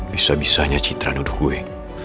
bisa bisanya citra nuduh gue